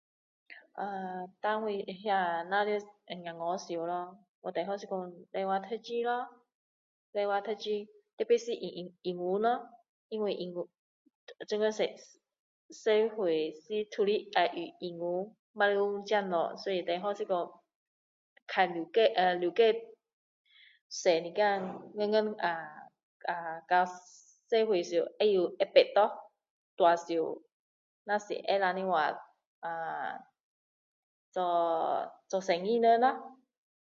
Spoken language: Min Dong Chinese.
呃当我还是小孩时咯我最好是说知道说努力读书咯努力读书特别是英英英英文咯因为现在社会都是要用英文马来文这些东西所以是最好较了解较了解多一点以后到社会时会知道会知道咯大事时若是能够的话啊做做生意人咯